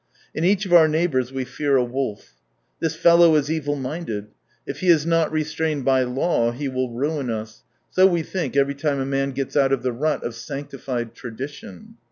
In each of our neighbours we fear a wolf. " This fellow is evil minded, if he is not restrained by law he will ruin us," so we think every time a man gets out of the rut of sanctified tradition.